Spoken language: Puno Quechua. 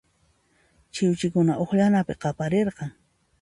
Chiwchiykuna uqllanapi paqarirqan.